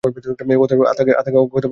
অতএব আত্মাকে অজ্ঞাত বলা প্রলাপ-মাত্র।